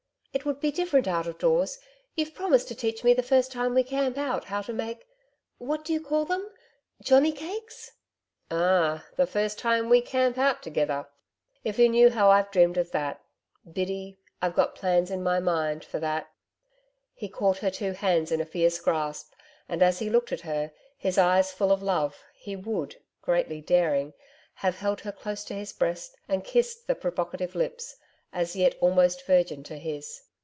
It would be different out of doors. You've promised to teach me the first time we camp out how to make what do you call them johnny cakes?' 'Ah! The first time we camp out together. If you knew how I've dreamed of that. Biddy, I've got plans in my mind for that ' He caught her two hands in a fierce grasp, and as he looked at her, his eyes full of love, he would greatly daring have held her close to his breast and kissed the provocative lips, as yet almost virgin to his.